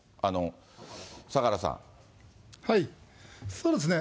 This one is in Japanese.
そうですね。